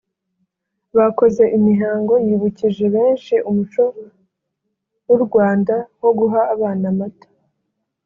Bakoze imihango yibukije benshi umuco w’u Rwanda nko guha abana amata